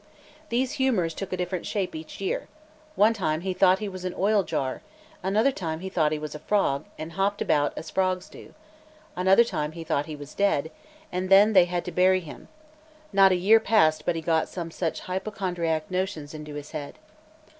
These humours took a different shape each year; one time he thought he was an oiljar; another time he thought he was a frog, and hopped about as frogs do; another time he thought he was dead, and then they had to bury him; not a year passed but he got some such hypochondriac notions into his head.